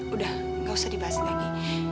udah gak usah dibahas lagi